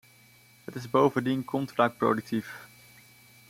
Het is bovendien contraproductief.